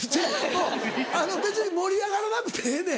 あの別に盛り上がらなくてええねん。